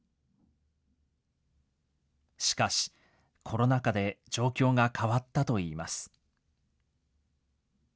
しかし、コロナ禍で状況が変わったといいます。